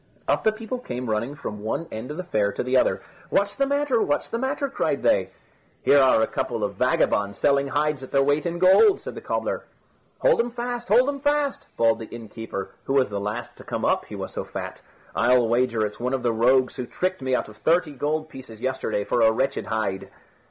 Up the people came running from one end of the fair to the other. "What's the matter? What's the matter?" cried they. "Here are a couple of vagabonds selling hides at their weight in gold," said the cobbler. "Hold 'em fast; hold 'em fast!" bawled the innkeeper, who was the last to come up, he was so fat. "I'll wager it's one of the rogues who tricked me out of thirty gold pieces yesterday for a wretched hide."